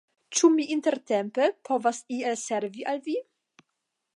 Ĉu mi intertempe povas iel servi al vi?